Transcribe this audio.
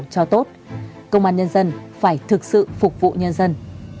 cho tốt công an nhân dân phải thực sự phục vụ nhân dân